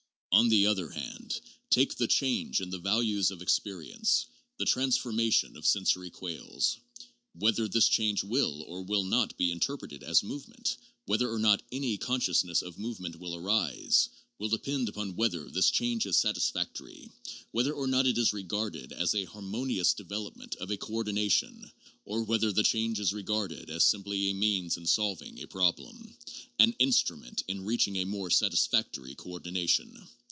' On the other hand, take the change in values of experience, the transformation of sensory quales. Whether this change will or will not be inter preted as movement, whether or not any consciousness of move ment will arise, will depend upon whether this change is satis factory, whether or not it is regarded as a harmonious develop ment of a coordination, or whether the change is regarded as simply a means in solving a problem, an instrument in reaching a more satisfactory coordination.